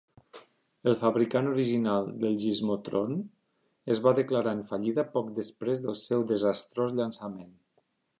El fabricant original del Gizmotron es va declarar en fallida poc després del seu desastrós llançament.